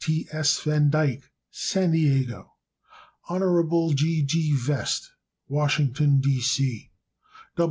T. S. Van Dyke, San Diego, Cal. Hon. G. G. Vest, Washington, D.